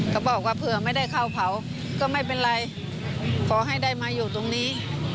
เขาบอกว่าเผื่อไม่ได้เข้าเผาก็ไม่เป็นไรขอให้ได้มาอยู่ตรงนี้